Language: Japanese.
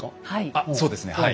あっそうですねはい。